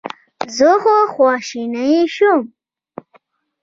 زه خواشینی شوم.